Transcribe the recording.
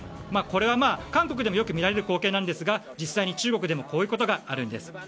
これは韓国でもよく見られる光景なんですが実際に中国でもこういうことがあるんです。